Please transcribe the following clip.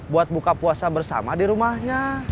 buat buka puasa bersama di rumahnya